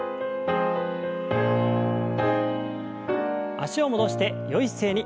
脚を戻してよい姿勢に。